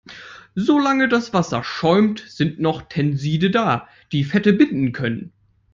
Solange das Wasser schäumt, sind noch Tenside da, die Fette binden können.